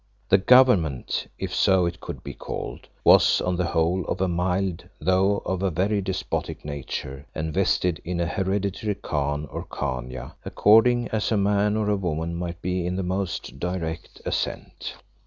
The government, if so it could be called, was, on the whole, of a mild though of a very despotic nature, and vested in an hereditary Khan or Khania, according as a man or a woman might be in the most direct descent.